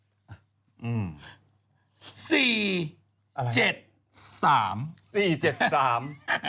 อืม